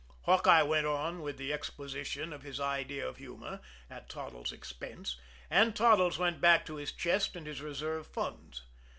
Hawkeye went on with the exposition of his idea of humor at Toddles' expense; and Toddles went back to his chest and his reserve funds.